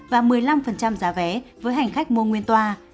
và một mươi năm giá vé với hành khách mua nguyên toa